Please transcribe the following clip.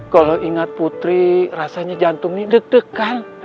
kalau ingat putri rasanya jantung ini deg degan